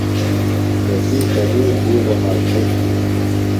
تسی چدُور بِیڈوۡ مظبُط ہِنوۡ۔